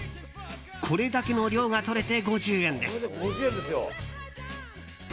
これだけの量が取れて５０円です。